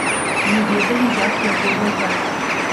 Не ведалі, як яго вязаць.